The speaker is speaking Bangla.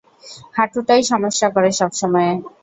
হাঁটুটাই সমস্যা করে সবসময়ে।